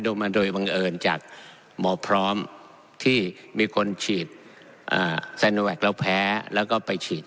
ออกมาโดยบังเอิญจากหมอพร้อมที่มีคนฉีดไซโนแวคแล้วแพ้แล้วก็ไปฉีด